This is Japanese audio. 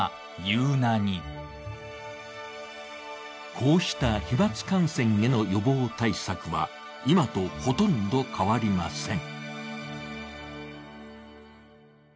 こうした飛まつ感染への予防対策は、今とほとんど変わりません。